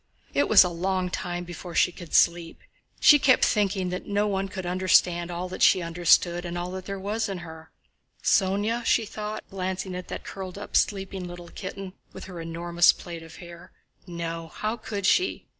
It was a long time before she could sleep. She kept thinking that no one could understand all that she understood and all there was in her. "Sónya?" she thought, glancing at that curled up, sleeping little kitten with her enormous plait of hair. "No, how could she?